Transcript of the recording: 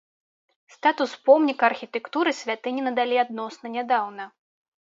Статус помніка архітэктуры святыні надалі адносна нядаўна.